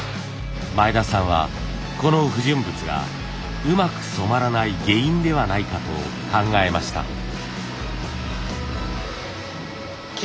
前田さんはこの不純物がうまく染まらない原因ではないかと考えました。